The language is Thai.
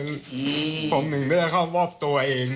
ผมอาจเป็นนึงได้เข้าหวับตัวเอง